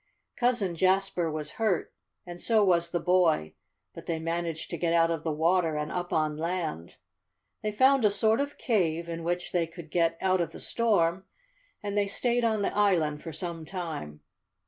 "Cousin Jasper was hurt and so was the boy, but they managed to get out of the water and up on land. They found a sort of cave in which they could get out of the storm, and they stayed on the island for some time."